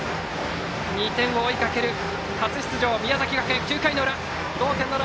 ２点を追いかける初出場、宮崎学園。